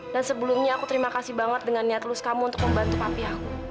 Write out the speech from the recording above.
dan sebelumnya aku terima kasih banget dengan niat lulus kamu untuk membantu papi aku